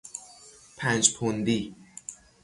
پنج پوندی